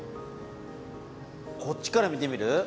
こっちから見てみる？